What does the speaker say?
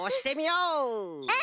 うん！